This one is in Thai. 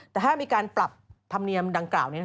แต่ถ้ามีการปรับธรรมเนียมดังกล่าวนี้